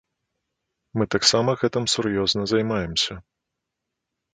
Мы таксама гэтым сур'ёзна займаемся.